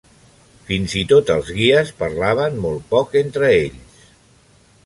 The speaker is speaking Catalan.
Fins i tot els guies parlaven molt poc entre ells.